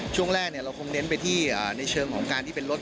ช่วงแรกเราคงเน้นไปที่ในเชิงของการที่เป็นรถ